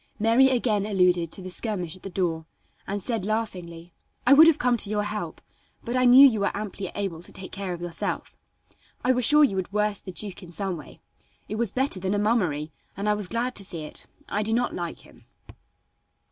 Mary again alluded to the skirmish at the door, and said laughingly: "I would have come to your help, but I knew you were amply able to take care of yourself. I was sure you would worst the duke in some way. It was better than a mummery, and I was glad to see it. I do not like him."